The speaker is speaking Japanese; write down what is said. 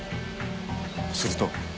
すると。